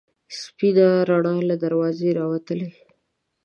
سپینه رڼا له دروازې راوتله.